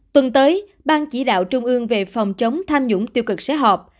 tuần tới ban chỉ đạo trung ương về phòng chống tham nhũng tiêu cực sẽ họp